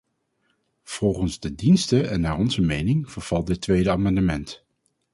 Volgens de diensten en naar onze mening vervalt dit tweede amendement.